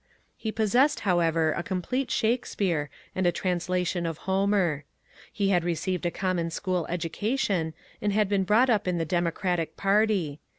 He possessed, how ever, a complete Shakespeare and a translation of Homer. He had received a common school education, and had been brought up in the Democratic party.